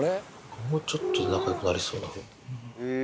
もうちょっとで仲よくなりそうな。